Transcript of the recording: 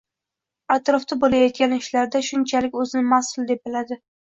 atrofda bo‘layotgan ishlarda shunchalik o‘zini mas’ul deb biladi.